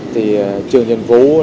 thì trường trần phú